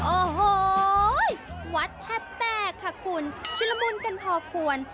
โอ้โหวัดแทบแตกค่ะคุณชุดละมุนกันพอควร